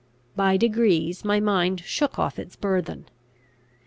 By degrees my mind shook off its burthen.